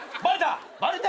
バレた？